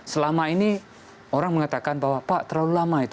selama ini orang mengatakan bahwa pak terlalu lama itu